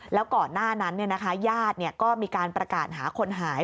แล้วก่อนหน้านั้นญาติก็มีการประกาศหาคนหาย